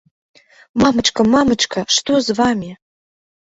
Мамачка, мамачка, што з вамі?